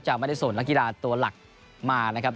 ไม่ได้ส่งนักกีฬาตัวหลักมานะครับ